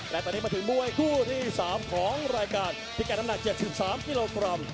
และตอนนี้มาถึงมวยกู้ที่สามของรายการที่แก่น้ำหน้า๗๓กิโลกรัม